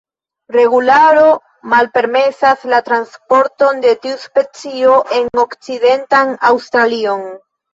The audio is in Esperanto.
Regularo malpermesas la transporton de tiu specio en Okcidentan Aŭstralion.